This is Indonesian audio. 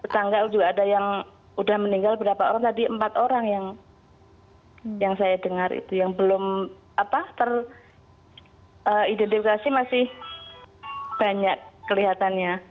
tanggal juga ada yang udah meninggal berapa orang tadi empat orang yang saya dengar itu yang belum teridentifikasi masih banyak kelihatannya